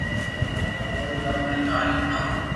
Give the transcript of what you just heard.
اوري تمو ني ڪھاني ھڻاوُ